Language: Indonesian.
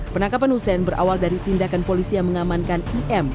penangkapan hussein berawal dari tindakan polisi yang mengamankan im